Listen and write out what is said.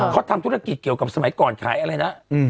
เขาทำธุรกิจเกี่ยวกับสมัยก่อนขายอะไรนะ